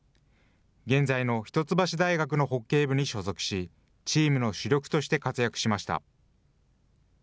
現在の一橋大学のホッケー部に所属し、チームの主力として活躍しました。